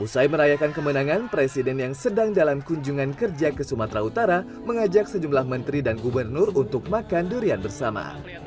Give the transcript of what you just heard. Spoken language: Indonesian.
usai merayakan kemenangan presiden yang sedang dalam kunjungan kerja ke sumatera utara mengajak sejumlah menteri dan gubernur untuk makan durian bersama